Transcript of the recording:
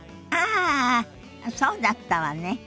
ああそうだったわね。